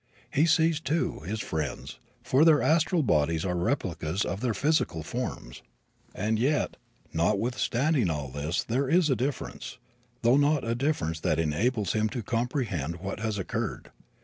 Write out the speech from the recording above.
He sees, too, his friends, for their astral bodies are replicas of their physical forms. And yet, notwithstanding all this there is a difference, though not a difference that enables him to comprehend what has occurred.